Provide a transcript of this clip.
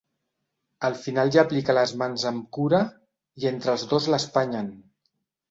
Al final hi aplica les mans amb cura i entre els dos l'espanyen.